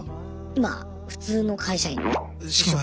今普通の会社員を。